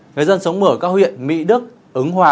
người dân sống mở các huyện mỹ đức ứng hòa